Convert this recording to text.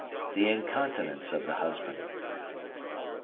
The incontinence of the husband.